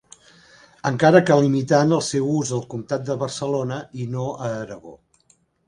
Encara que limitant el seu ús al Comtat de Barcelona i no a Aragó.